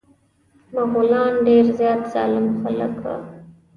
مغولان ډير زيات ظالم خلک وه.